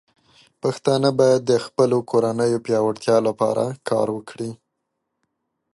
پښتانه بايد د خپلو کورنيو پياوړتیا لپاره کار وکړي.